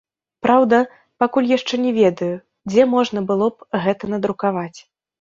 Праўда, пакуль яшчэ не ведаю, дзе можна было б гэта надрукаваць.